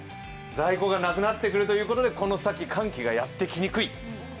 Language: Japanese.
在庫がなくなってくるということでこの先、寒気がやってきにくい。